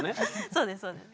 そうですそうです。